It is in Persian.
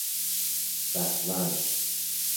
سهواً